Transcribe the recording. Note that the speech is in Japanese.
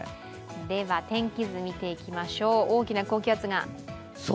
天気図、見ていきましょう大きな高気圧が。